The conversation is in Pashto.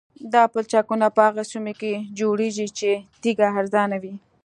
دا پلچکونه په هغه سیمو کې جوړیږي چې تیږه ارزانه وي